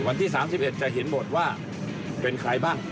วันที่๓๑จะเห็นหมดว่าเป็นใครบ้าง